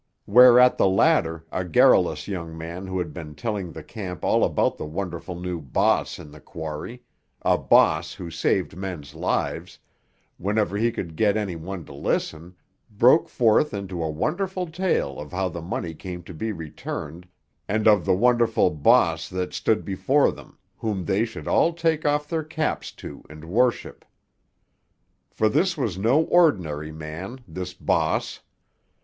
Whereat the latter, a garrulous young man who had been telling the camp all about the wonderful new "bahss" in the quarry—a "bahss" who saved men's lives—whenever he could get any one to listen, broke forth into a wonderful tale of how the money came to be returned, and of the wonderful "bahss" that stood before them, whom they should all take off their caps to and worship. For this was no ordinary man, this "bahss."